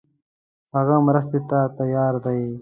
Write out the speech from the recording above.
هغه مرستې ته تیار دی.